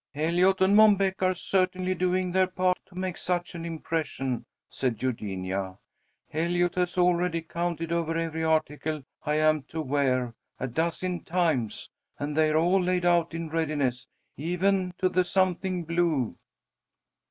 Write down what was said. "Eliot and Mom Beck are certainly doing their part to make such an impression," said Eugenia. "Eliot has already counted over every article I am to wear, a dozen times, and they're all laid out in readiness, even to the 'something blue.'"